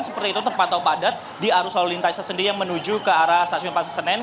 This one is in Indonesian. seperti itu terpantau padat di arus lalu lintasnya sendiri yang menuju ke arah stasiun pasar senen